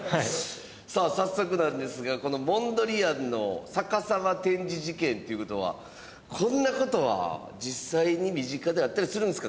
さあ早速なんですがこのモンドリアンの逆さま展示事件という事はこんな事は実際に身近であったりするんですか？